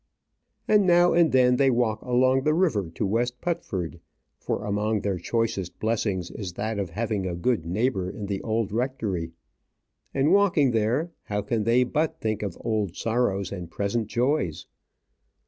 And now and then they walk along the river to West Putford; for among their choicest blessings is that of having a good neighbour in the old rectory. And walking there, how can they but think of old sorrows and present joys?